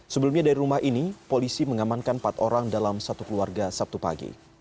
sebelumnya dari rumah ini polisi mengamankan empat orang dalam satu keluarga sabtu pagi